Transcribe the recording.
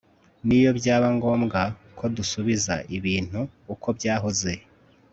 n'iyo byaba ngombwa ko dusubiza ibintu uko byahoze